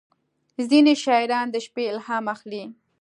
• ځینې شاعران د شپې الهام اخلي.